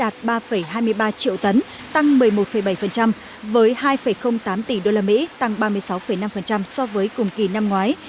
trong tháng bốn năm hai nghìn hai mươi bốn xuất khẩu gạo đã đạt ba hai mươi ba triệu tấn tăng một mươi một bảy với hai tám tỷ usd tăng ba mươi sáu năm so với cùng kỳ năm ngoái